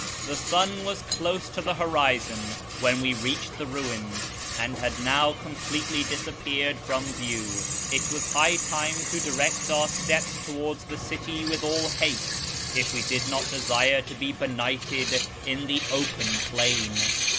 The sun was close to the horizon when we reached the ruins, and had now completely disappeared from view. It was high time to direct our steps towards the city with all haste, if we did not desire to be benighted in the open plain.